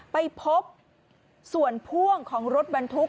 ไปพบส่วนพ่วงของรถบรรทุก